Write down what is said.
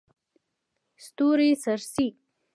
ستوري څرڅي.